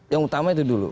yang utama itu dulu